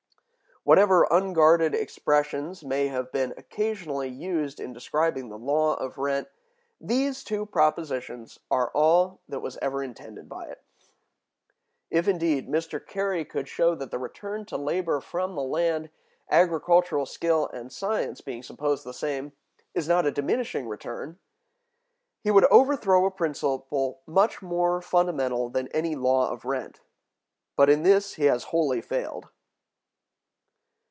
Whatever unguarded expressions may have been occasionally used in describing the law of rent, these two propositions are all that was ever intended by it. If, indeed, Mr. Carey could show that the return to labor from the land, agricultural skill and science being supposed the same, is not a diminishing return, he would overthrow a principle much more fundamental than any law of rent. But in this he has wholly failed.